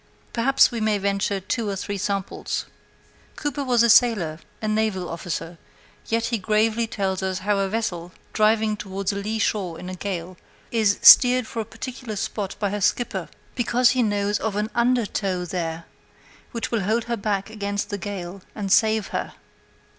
Perhaps we may venture two or three samples. Cooper was a sailor a naval officer; yet he gravely tells us how a vessel, driving towards a lee shore in a gale, is steered for a particular spot by her skipper because he knows of an undertow there which will hold her back against the gale and save her.